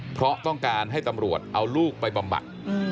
เพราะต้องการให้ตำรวจเอาลูกไปบำบัด